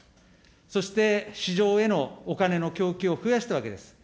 そして市場へのお金の供給を増やしたわけです。